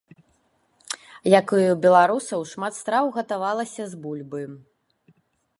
Як і ў беларусаў, шмат страў гатавалася з бульбы.